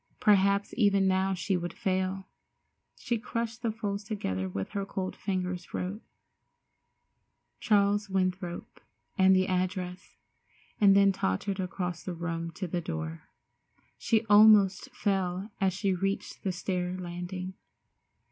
Perhaps even now she would fail. She crushed the folds together with her cold fingers, wrote "Charles Winthrop" and the address, and then tottered across the room to the door. She almost fell as she reached the stair landing.